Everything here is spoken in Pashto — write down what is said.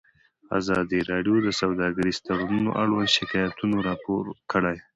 ازادي راډیو د سوداګریز تړونونه اړوند شکایتونه راپور کړي.